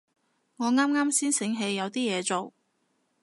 我啱啱先醒起有啲嘢做